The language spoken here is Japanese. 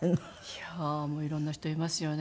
いやあいろんな人いますよね。